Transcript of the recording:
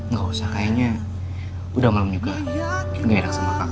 gak usah kayaknya udah malem juga gak irang sama kakak